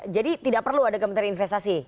jadi tidak perlu ada kementerian investasi